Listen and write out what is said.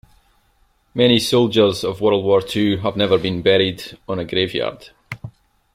Many soldiers of world war two have never been buried on a grave yard.